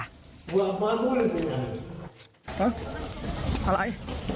อะไร